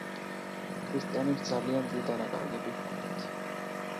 ქრისტიანებს ძალიან დიდი დანაკარგები ჰქონდათ.